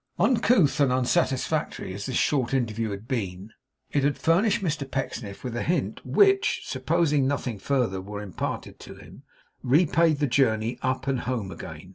Uncouth and unsatisfactory as this short interview had been, it had furnished Mr Pecksniff with a hint which, supposing nothing further were imparted to him, repaid the journey up and home again.